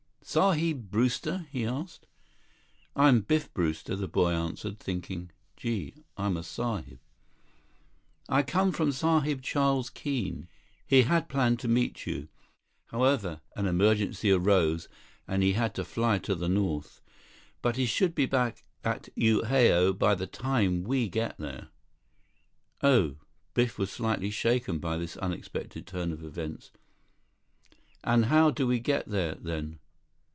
"Sahib Brewster?" he asked. "I'm Biff Brewster," the boy answered, thinking, "Gee, I'm a sahib!" "I come from Sahib Charles Keene. He had planned to meet you. However, an emergency arose, and he had to fly to the north. But he should be back at Unhao by the time we get there." "Oh." Biff was slightly shaken by this unexpected turn of events. "And how do we get there, then?"